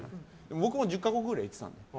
僕も１０か国くらい行ってたんですけど